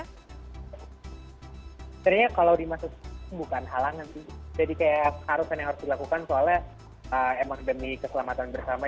sebenarnya kalau dimaksud bukan halangan sih jadi kayak harusan yang harus dilakukan soalnya emang demi keselamatan bersama